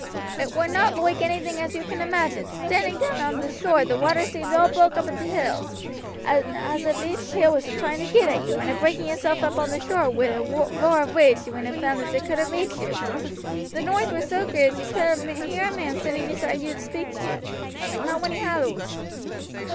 "It war not loike anything as you can imagine. Standing down on the shore the water seemed all broke up into hills, and as if each hill was a trying to get at you, and a breaking itself up on the shore wi' a roar of rage when it found as it couldn't reach you. The noise war so great as you couldn't hear a man standing beside you speak to you. Not when he hallooed.